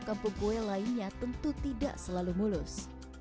kampung kue lainnya tentu tidak selalu mulus